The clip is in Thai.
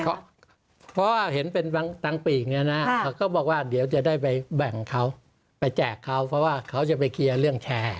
เพราะว่าเห็นเป็นตังค์ปีกอย่างนี้นะเขาก็บอกว่าเดี๋ยวจะได้ไปแบ่งเขาไปแจกเขาเพราะว่าเขาจะไปเคลียร์เรื่องแชร์